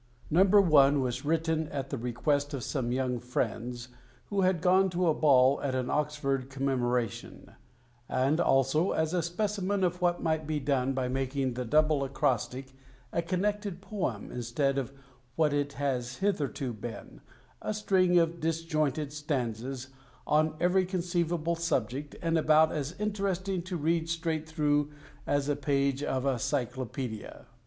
No. I. was written at the request of some young friends, who had gone to a ball at an Oxford Commemoration and also as a specimen of what might be done by making the Double Acrostic a connected poem instead of what it has hitherto been, a string of disjointed stanzas, on every conceivable subject, and about as interesting to read straight through as a page of a Cyclopædia.